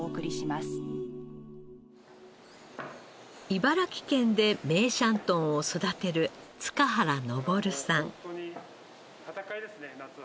茨城県で梅山豚を育てる塚原昇さん。